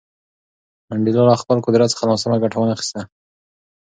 منډېلا له خپل قدرت څخه ناسمه ګټه ونه خیسته.